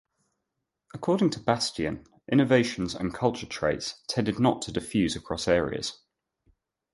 According to Bastian, innovations and culture traits tended not to diffuse across areas.